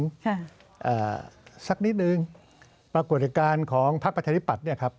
ค่ะอ่าสักนิดนึงปรากฏการณ์ของพักประชาธิปัตย์เนี่ยครับ